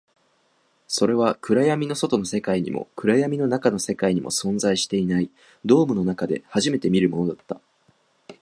それは暗闇の外の世界にも、暗闇の中の世界にも存在していない、ドームの中で初めて見るものだった